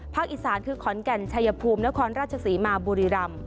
อีสานคือขอนแก่นชัยภูมินครราชศรีมาบุรีรำ